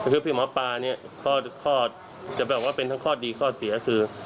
คือพี่หมอปลาเนี่ยข้อจะแบบว่าเป็นทั้งข้อดีข้อเสียคือ